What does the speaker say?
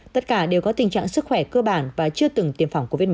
tất cả đều có tình trạng sức khỏe cơ bản và chưa từng tiêm phòng covid một mươi